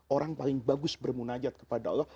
orang paling bagus bermunajat kepada allah